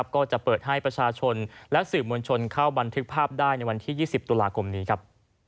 ก็จะเปิดให้ประชาชนและสื่อมวลชนเข้าบันทึกภาพได้ในวันที่๒๐ตุลาคมนี้ครับ